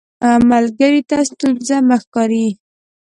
ملګری ته ستونزه مه ښکاري